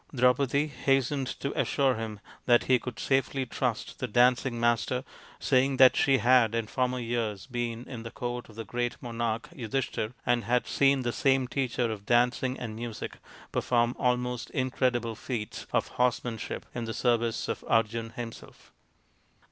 Draupadi hastened to assure him that he could safely trust the dancing master, saying that she had in former years been in the court of the great monarch Yudhishthir and had seen the same teacher of dancing and music perform almost incredible feats of horsemanship in the service of Arjun himself.